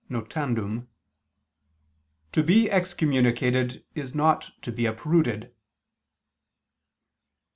Notandum), "to be excommunicated is not to be uprooted."